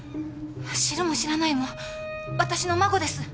知るも知らないも私の孫です！